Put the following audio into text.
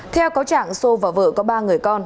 theo cáo trạng xô và vợ có ba người con